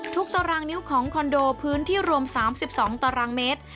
ตารางนิ้วของคอนโดพื้นที่รวม๓๒ตารางเมตร